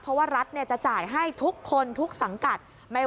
เพราะว่ารัฐจะจ่ายให้ทุกคนทุกสังกัด